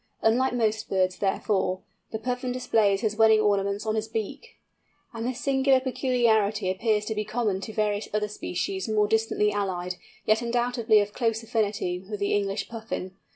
Unlike most birds, therefore, the Puffin displays his wedding ornaments on his beak! And this singular peculiarity appears to be common to various other species, more distantly allied, yet undoubtedly of close affinity with the English Puffin.